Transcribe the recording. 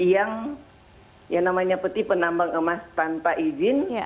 ini ada peti yang namanya peti penambang emas tanpa izin